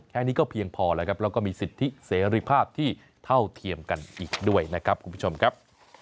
แค่นี้ก็เพียงพอแล้วครับแล้วก็มีสิทธิเสรีภาพที่เท่าเทียมกันอีกด้วยนะครับคุณผู้ชมครับ